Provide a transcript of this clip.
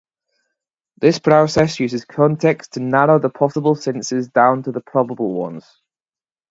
This process uses context to narrow the possible senses down to the probable ones.